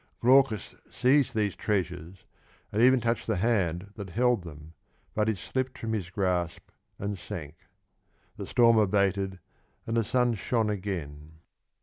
Glaucus seized these treasures and even touched the hand that held them, but it slipped from his grasp and sank. The storm abated and the sun shone again.